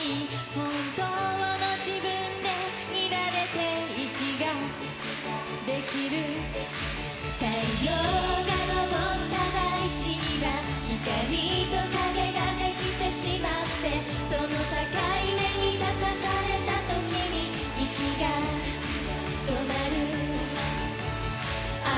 本当の自分でいられて息ができる太陽が昇った大地には光と影ができてしまってその境目に立たされた時に息が止まるあ